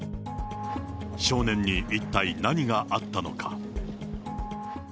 少年に一体何があったのか。